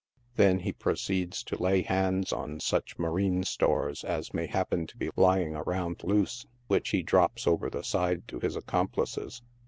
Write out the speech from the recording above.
Then he proceeds to lay hands on such " ma rine stores" as may happen to be lying around loose, which he drops over the side to his accomplices.